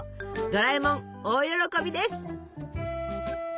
ドラえもん大喜びです。